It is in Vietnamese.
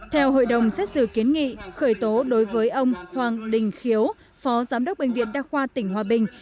theo hội đồng xét xử kiến nghị khởi tố đối với ông hoàng đình khiếu phó giám đốc bệnh viện đa khoa tỉnh hòa bình